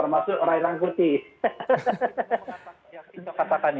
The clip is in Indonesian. padahal banyak kali yang mengatakan itu